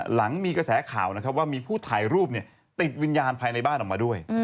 หลังมีกระแสข่าวนะครับว่ามีผู้ถ่ายรูปติดวิญญาณภายในบ้านออกมาด้วย